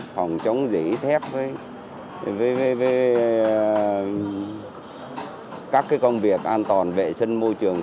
phòng chống dĩ thép với các công việc an toàn vệ sinh môi trường